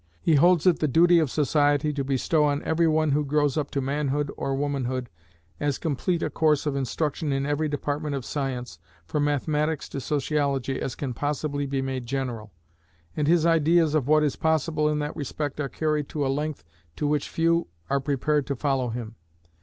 He holds it the duty of society to bestow on every one who grows up to manhood or womanhood as complete a course of instruction in every department of science, from mathematics to sociology, as can possibly be made general: and his ideas of what is possible in that respect are carried to a length to which few are prepared to follow him.